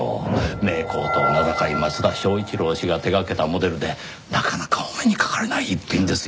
名工と名高い松田正一郎氏が手掛けたモデルでなかなかお目にかかれない逸品ですよ！